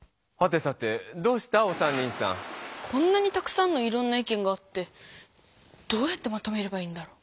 こんなにたくさんのいろんな意見があってどうやってまとめればいいんだろう？